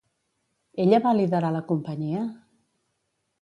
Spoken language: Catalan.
Ella va liderar la companyia?